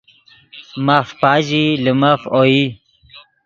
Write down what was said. ماف پاژیئی لے مف اوئی